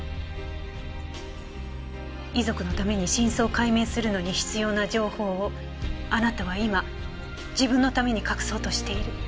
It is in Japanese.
遺族のために真相を解明するのに必要な情報をあなたは今自分のために隠そうとしている。